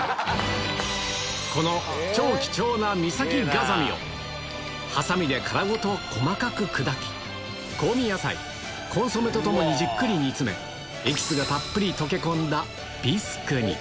この超貴重な岬ガザミをはさみで殻ごと細かく砕き、香味野菜、コンソメとともにじっくり煮詰め、エキスがたっぷり溶け込んだビスクに。